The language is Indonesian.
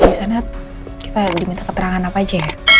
disana kita diminta keterangan apa aja ya